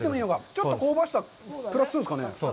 ちょっと香ばしさプラスするんですかね。